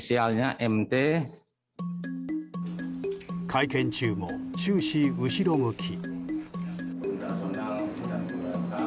会見中も終始後ろ向き。